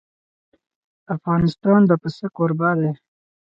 افغانستان د پسه کوربه دی.